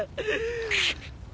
くっ！